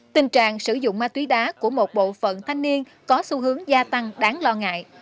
tình trạng sử dụng ma túy đá của một bộ phận thanh niên có xu hướng gia tăng đáng lo ngại